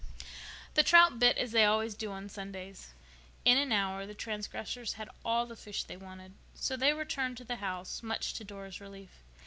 The trout bit as they always do on Sundays. In an hour the transgressors had all the fish they wanted, so they returned to the house, much to Dora's relief.